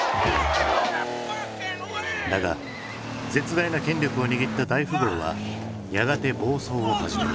だが絶大な権力を握った大富豪はやがて暴走を始める。